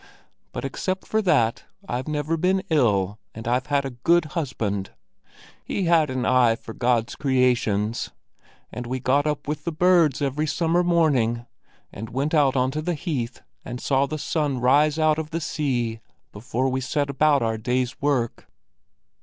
But except for that, I've never been ill, and I've had a good husband. He had an eye for God's creations, and we got up with the birds every summer morning, and went out onto the heath and saw the sun rise out of the sea before we set about our days work."